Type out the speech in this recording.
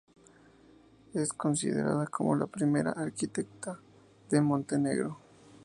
Es considerada como la primera arquitecta de Montenegro.